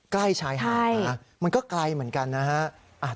ใกล้ชายหาดนะมันก็ไกลเหมือนกันนะฮะ